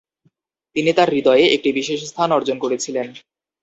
তিনি তাঁর হৃদয়ে একটি বিশেষ স্থান অর্জন করেছিলেন।